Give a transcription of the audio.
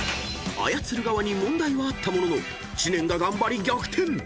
［操る側に問題はあったものの知念が頑張り逆転］